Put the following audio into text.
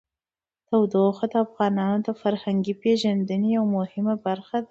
تودوخه د افغانانو د فرهنګي پیژندنې یوه مهمه برخه ده.